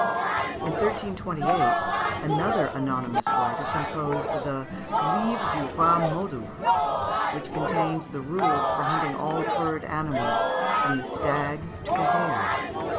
In 1328 another anonymous writer composed the "Livre du Roy Modus," which contains the rules for hunting all furred animals, from the stag to the hare.